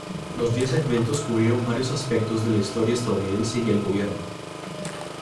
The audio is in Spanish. Los diez segmentos cubrieron varios aspectos de la historia estadounidense y el gobierno.